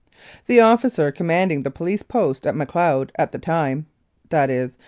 The officer commanding the Police Post at Macleod at the time, viz.